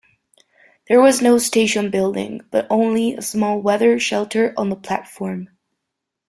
There was no station building, but only a small weather shelter on the platform.